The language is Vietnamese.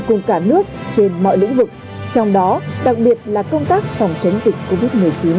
cùng cả nước trên mọi lĩnh vực trong đó đặc biệt là công tác phòng chống dịch covid một mươi chín